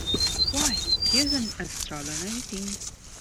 Why, here's an extraordinary thing!